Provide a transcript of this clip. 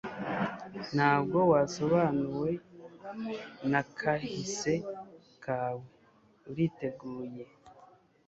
Ntabwo wasobanuwe na kahise kawe; uriteguye.